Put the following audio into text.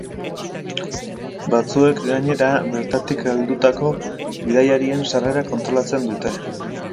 Batzuek, gainera, bertatik heldutako bidaiarien sarrera kontrolatzen dute.